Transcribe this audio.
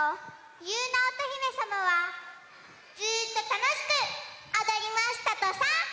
ゆうなおとひめさまはずっとたのしくおどりましたとさ！